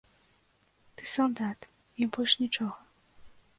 Ты салдат, і больш нічога.